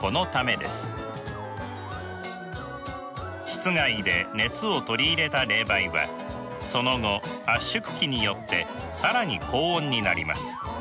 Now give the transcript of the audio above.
室外で熱を取り入れた冷媒はその後圧縮機によって更に高温になります。